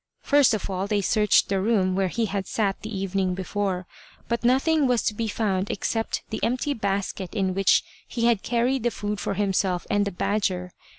First of all they searched the room where he had sat the evening before, but nothing was to be found except the empty basket in which he had carried the food for himself and the badger.